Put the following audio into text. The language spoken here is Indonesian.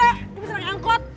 gue misalnya ke angkot